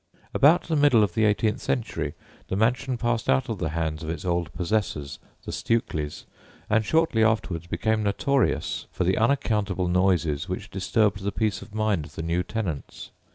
About the middle of the eighteenth century the mansion passed out of the hands of its old possessors, the Stewkeleys, and shortly afterwards became notorious for the unaccountable noises which disturbed the peace of mind of the new tenants.